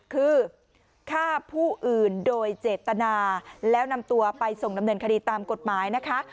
คือฆ่าผู้อื่นโดยเจตนาแล้วนำตัวไปส่งดำเนินคดีตามกฎหมายนะคะ